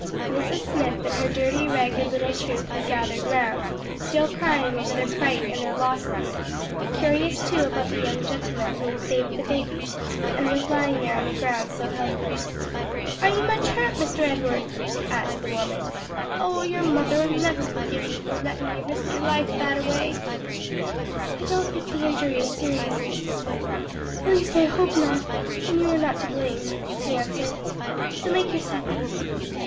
Mrs. Smith and her dirty ragged little troop had gathered round, still crying over their fright and their losses, curious too about the young gentleman who had saved the baby and was lying there on the ground so helpless. "Are ye much hurt, Mr. Edward?" asked the woman. "Oh yer mother'll never forgive me fur lettin' ye risk yer life that away!" "I don't think the injury is serious, Mrs. Smith, at least I hope not; and you were not to blame," he answered, "so make yourself easy.